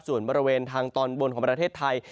ส่วนบริเวณทางตอนบนของประเทศไทย